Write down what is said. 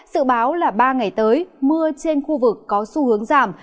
sự báo là ba ngày tới mưa trên khu vực có xu hướng giảm